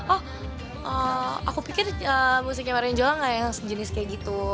oh aku pikir musiknya marin jual gak yang sejenis kayak gitu